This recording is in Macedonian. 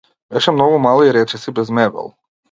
Беше многу мала и речиси без мебел.